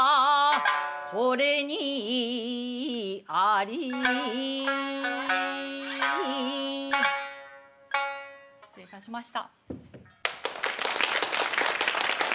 これにあり失礼いたしました。